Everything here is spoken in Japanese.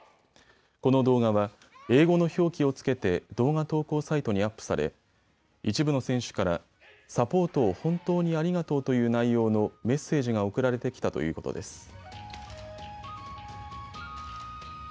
この動画は英語の表記をつけて動画投稿サイトにアップされ一部の選手からサポートを本当にありがとうという内容のメッセージが送られてきたということです。